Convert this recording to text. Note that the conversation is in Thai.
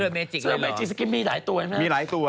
หรืออะไรที่สกินมีหลายตัวใช่ไหมครับมีหลายตัว